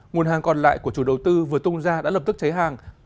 nguồn hàng còn lại của chủ đầu tư vừa tung ra đã lập tức cháy hàng